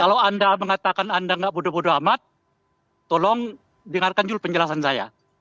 kalau anda mengatakan anda nggak bodoh bodoh amat tolong dengarkan dulu penjelasan saya